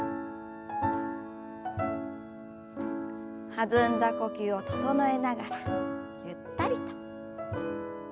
弾んだ呼吸を整えながらゆったりと。